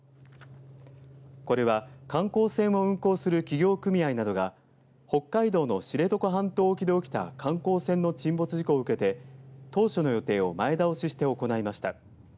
これは、観光船を運航する企業組合などが北海道の知床半島沖で起きた観光船の沈没事故を受けて当初の予定を前倒しして行われました。